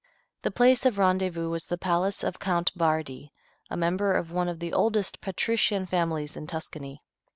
The place of rendezvous was the palace of Count Bardi, a member of one of the oldest patrician families in Tuscany.